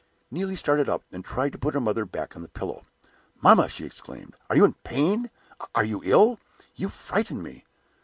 Neelie started up, and tried to put her mother back on the pillow. "Mamma!" she exclaimed, "are you in pain? Are you ill? You frighten me!"